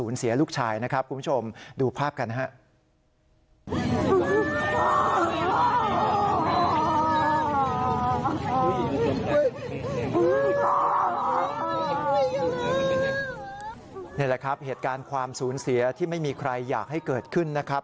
นี่แหละครับเหตุการณ์ความสูญเสียที่ไม่มีใครอยากให้เกิดขึ้นนะครับ